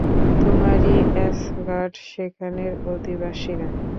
তোমরাই অ্যাসগার্ড, সেখানের অধিবাসীরা।